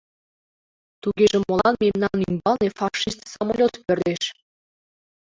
— Тугеже молан мемнан ӱмбалне фашист самолёт пӧрдеш?